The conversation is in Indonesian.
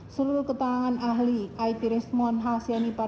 seluruh ketangan ahli it rismon h sianipar